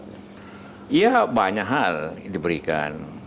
ya banyak hal diberikan